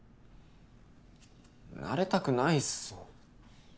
慣れたくないっす。